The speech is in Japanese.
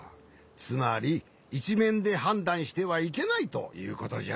つまりいちめんではんだんしてはいけないということじゃ。